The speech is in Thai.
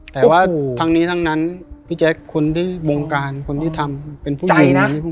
แต่ว่าทั้งนี้ทั้งนั้นพี่แจ๊คคนที่วงการคนที่ทำเป็นผู้หญิง